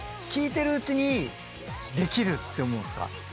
聴いてるうちに「できる」って思うんすか？